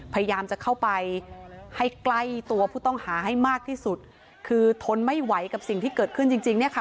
พยายามจะเข้าไปให้ใกล้ตัวผู้ต้องหาให้มากที่สุดคือทนไม่ไหวกับสิ่งที่เกิดขึ้นจริงจริงเนี่ยค่ะ